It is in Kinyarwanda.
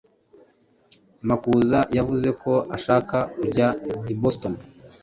Makuza yavuze ko ashaka kujya i Boston.